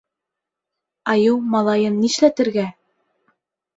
Айыу малайын нишләтергә?